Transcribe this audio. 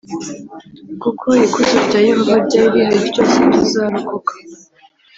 kuko ikuzo rya Yehova ryari rihari ryose tuzarokoka